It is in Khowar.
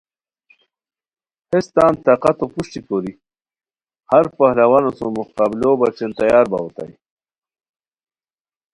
ہیس تان طاقتو پروشٹی کوری ہر پہلوانو سوم مقابلو بچین تیار باؤ اوتائے